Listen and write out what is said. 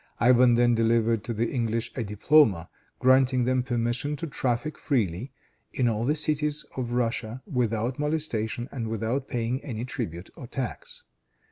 Ivan then delivered to the English a diploma, granting them permission to traffic freely in all the cities of Russia without molestation and without paying any tribute or tax.